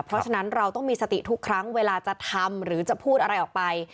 เพราะฉะนั้นเราต้องมีสติทุกครั้งเวลาจะทำหรือจะพูดอะไรออกไป